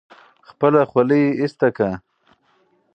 خپله خولۍ ایسته کړه.